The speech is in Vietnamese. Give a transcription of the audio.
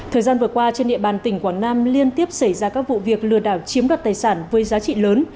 thời gian vừa qua trên địa bàn tỉnh quảng nam liên tiếp xảy ra các vụ việc lừa đảo chiếm đoạt tài sản với giá trị lớn